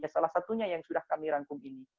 salah satunya yang sudah kami rangkum ini